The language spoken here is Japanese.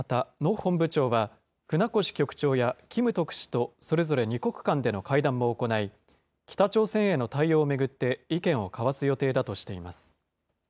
本部長は、船越局長やキム特使とそれぞれ２国間での会談も行い、北朝鮮への対応を巡って意見を交わす予定だとしています。